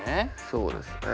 そうですね。